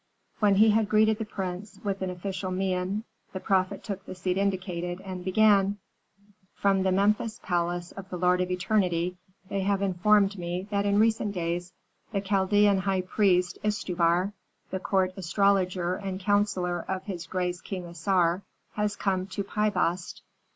When he had greeted the prince, with an official mien, the prophet took the seat indicated, and began, "From the Memphis palace of the lord of eternity they have informed me that in recent days the Chaldean high priest Istubar, the court astrologer and counsellor of his grace King Assar, has come to Pi Bast."